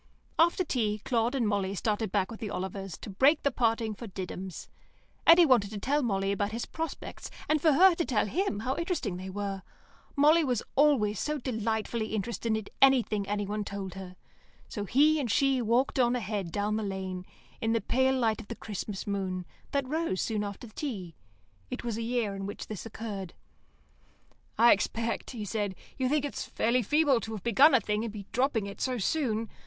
After tea Claude and Molly started back with the Olivers, to break the parting for Diddums. Eddy wanted to tell Molly about his prospects, and for her to tell him how interesting they were (Molly was always so delightfully interested in anything one told her), so he and she walked on ahead down the lane, in the pale light of the Christmas moon, that rose soon after tea. (It was a year when this occurred). "I expect," he said, "you think it's fairly feeble to have begun a thing and be dropping it so soon.